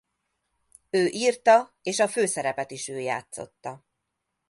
Ő írta és a főszerepet is ő játszotta.